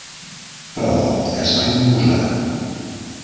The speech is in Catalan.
Però, es va imposar.